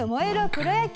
プロ野球』